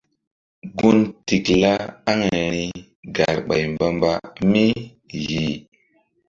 Gun tikla aŋayri garɓay mbamba mi yih.